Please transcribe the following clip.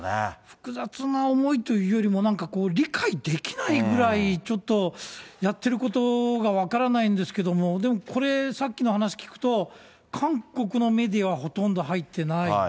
複雑な思いというよりも、なんか理解できないぐらい、ちょっとやってることが分からないんですけれども、でもこれ、さっきの話聞くと、韓国のメディアはほとんど入ってない。